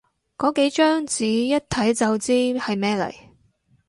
個幾張紙，一睇就知係咩嚟